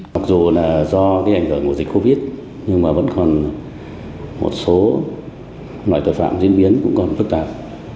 mặc dù là do cái ảnh hưởng của dịch covid nhưng mà vẫn còn một số loại tội phạm diễn biến cũng còn phức tạp